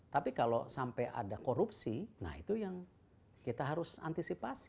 tapi kalau sampai ada korupsi nah itu yang kita harus antisipasi